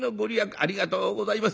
ありがとうございます」。